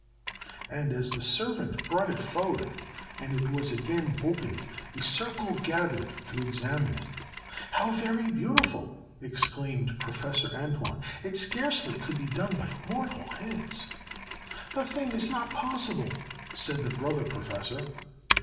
and as the servant brought it forward, and it was again opened, a circle gathered to examine it. "How very beautiful!" exclaimed Professor Antoine, "it scarcely could be done by mortal hands." "The thing is not possible!" said the brother professor.